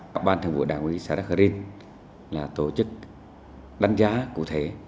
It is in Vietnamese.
các ban thường vụ đảng quý xã đắc rinh là tổ chức đánh giá cụ thể